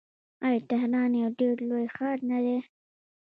آیا تهران یو ډیر لوی ښار نه دی؟